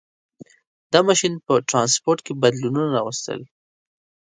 • دا ماشین په ټرانسپورټ کې بدلونونه راوستل.